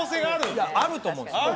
いやあると思うんです